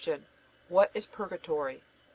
What is Purgatory? A.